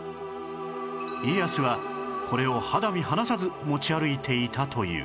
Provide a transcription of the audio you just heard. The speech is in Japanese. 家康はこれを肌身離さず持ち歩いていたという